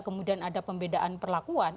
kemudian ada pembedaan perlakuan